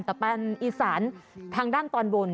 แต่เป็นอีสานทางด้านตอนบน